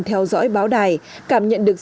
theo dõi báo đài cảm nhận được